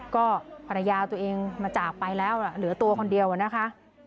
ก็ภรรยาตัวเองมาจากไปแล้วเหลือตัวคนเดียวนะคะ